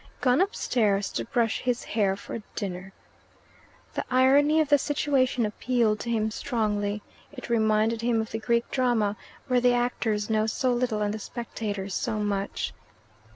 Gone upstairs to brush his hair for dinner! The irony of the situation appealed to him strongly. It reminded him of the Greek Drama, where the actors know so little and the spectators so much.